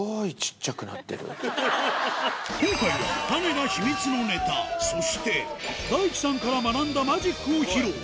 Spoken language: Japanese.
今回はタネが秘密のネタそして大輝さんから学んだマジックを披露